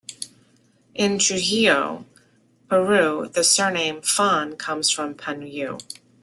In Trujillo, Peru the surname Fhon comes from Panyu.